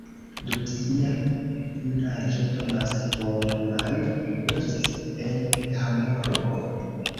Dum sia junaĝo Thomas Bormann loĝis en Hamburgo.